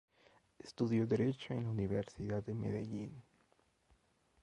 Estudió Derecho en la Universidad de Medellín.